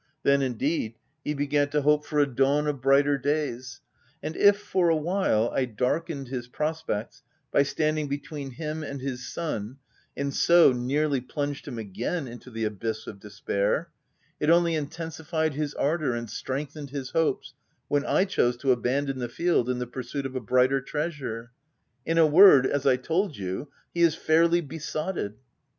Then indeed, he began to hope for a dawn of brighter days; and if for a while, I darkened his prospects by standing between him and his sun— and so, nearly plunged him again into the abyss of despair — it only intensi fied his ardour and strengthened his hopes when I chose to abandon the field in the pur suit of a brighter treasure. In a word, as I told you, he is fairly besotted.